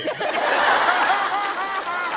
ハハハハハ！